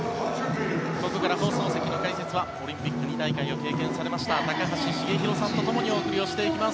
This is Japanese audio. ここから放送席の解説はオリンピック２大会を経験されました高橋繁浩さんと共にお送りをしていきます。